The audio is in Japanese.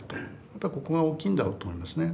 やっぱりここが大きいんだろうと思いますね。